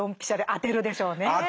当てるでしょうね。